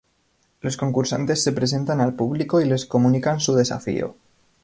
Los concursantes se presentan al público y les comunican su desafío.